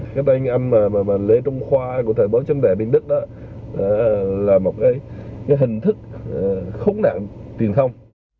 cái tên anh mà lê trung khoa của thời báo chống đề bên đức đó là một cái hình thức khốn nạn tiền thông